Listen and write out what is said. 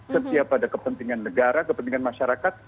setia pada kepentingan negara kepentingan masyarakat